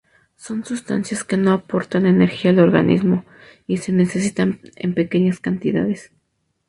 Son sustancias que no aportan energía al organismo, y se necesitan en pequeñas cantidades.